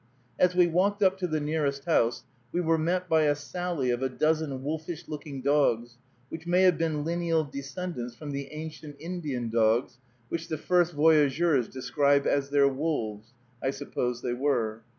As we walked up to the nearest house, we were met by a sally of a dozen wolfish looking dogs, which may have been lineal descendants from the ancient Indian dogs, which the first voyageurs describe as "their wolves." I suppose they were.